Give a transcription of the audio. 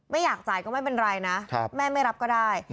ไม่อยากจ่ายก็ไม่เป็นไรนะแม่ไม่รับก็ได้